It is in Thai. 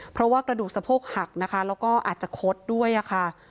เพราะว่ากระดูกสะโพกหักนะคะแล้วก็อาจจะคดด้วยค่ะ